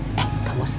eh enggak bos